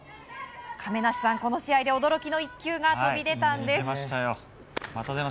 亀梨さん、この試合で驚きの１球が飛び出たんです。